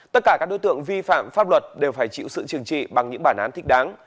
tất cả các đối tượng vi phạm pháp luật đều phải chịu sự trừng trị bằng những bản án thích đáng